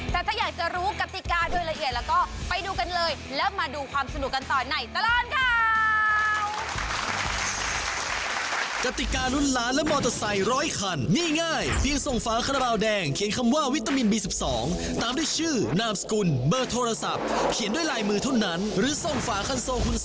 แต่ถ้าอยากจะรู้กติกาโดยละเอียดแล้วก็ไปดูกันเลย